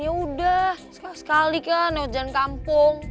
yaudah sekali sekali kan lewat jalan kampung